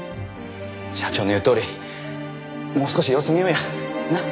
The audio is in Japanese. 社長の言うとおりもう少し様子見ようや。なあ？